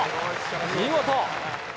見事。